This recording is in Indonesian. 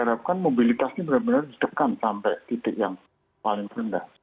diharapkan mobilitasnya benar benar ditekan sampai titik yang paling rendah